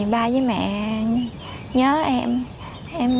ba với mẹ nhớ em